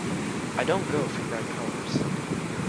I don't go for bright colors.